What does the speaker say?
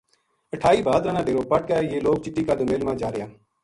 اٹھائی بھادرا نا ڈیرو پٹ کے یہ لوک چٹی کا دومیل ما جا رہیا